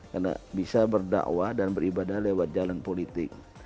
karena bisa berdakwah dan beribadah lewat jalan politik